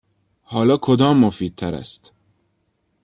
حالا کدام مفیدتر است؟